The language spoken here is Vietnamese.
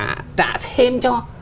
trả thêm cho